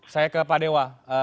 saya ke pak dewa